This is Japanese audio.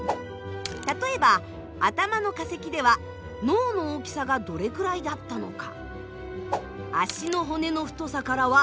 例えば頭の化石では脳の大きさがどれくらいだったのか。